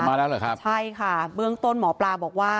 นะคะเคยค่ะเปื้องต้นหมอปลาบอกว่า